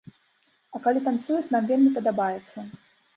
А калі танцуюць, нам вельмі падабаецца.